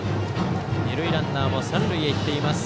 二塁ランナーも三塁へいっています。